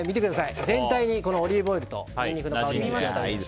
全体にオリーブオイルとニンニクの味が染みました。